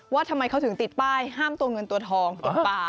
ว่าทำไมเขาถึงติดป้ายห้ามตัวเงินตัวทองตกปลา